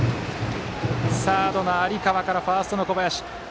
サードの有川からファーストの小林。